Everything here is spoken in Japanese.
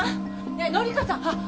ねえ紀香さん！あっ！